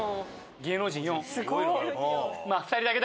芸能人４。